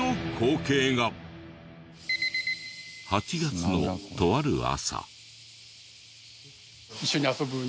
８月のとある朝。